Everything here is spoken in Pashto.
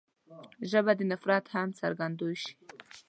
ژبه د نفرت هم څرګندوی شي